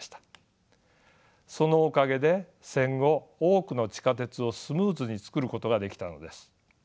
そのおかげで戦後多くの地下鉄をスムーズに造ることができたのです。